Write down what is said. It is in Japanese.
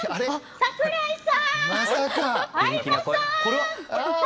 櫻井さん！